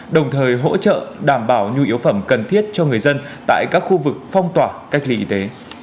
đồng thời hỗ trợ đảm bảo nhu yếu phẩm cần thiết cho người dân tại các khu vực phong tỏa cách ly y tế